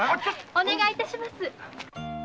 お願いいたします！